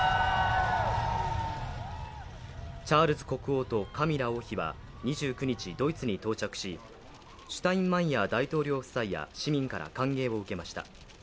チャールズ国王とカミラ王妃は２９日、ドイツに到着しシュタインマイヤー大統領夫妻や市民から歓迎を受けました。